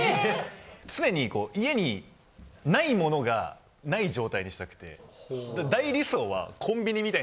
常に家に無いものが無い状態にしたくて。